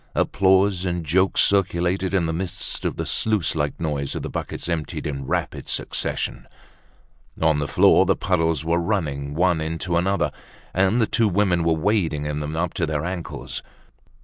Applause and jokes circulated in the midst of the sluice like noise of the buckets emptied in rapid succession! On the floor the puddles were running one into another, and the two women were wading in them up to their ankles.